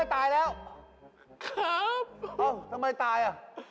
ตายเหรอตาย